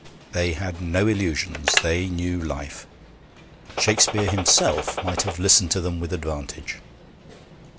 They had no illusions; they knew life. Shakespeare himself might have listened to them with advantage.